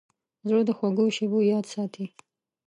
زړه د خوږو شیبو یاد ساتي.